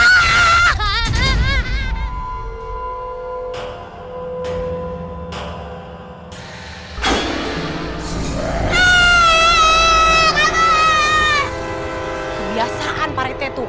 kebiasaan para itt tuh